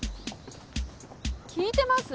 聞いてます？